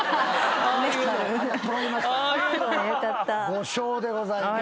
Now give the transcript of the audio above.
５笑でございます。